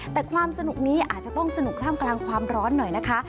แต่ความสนุกนี้อาจจะต้องสนุกท่ามกลางความร้อนหน่อยนะคะ